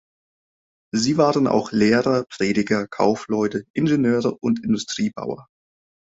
Sie waren auch Lehrer, Prediger, Kaufleute, Ingenieure und Industriebauer.